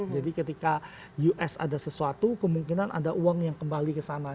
jadi ketika us ada sesuatu kemungkinan ada uang yang kembali ke sana